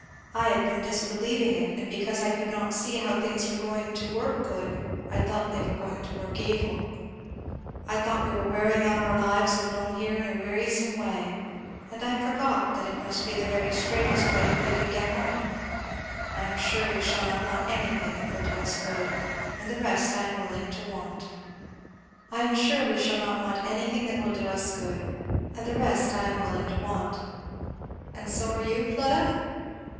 I had been disbelieving it, and because I could not see how things were going to work good I thought they were going to work evil. I thought we were wearing out our lives alone here in a wearisome way, and I forgot that it must be the very straightest way that we could get home. I am sure we shall not want anything that will do us good; and the rest I am willing to want and so are you, Fleda?"